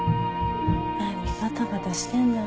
何バタバタしてんだろ。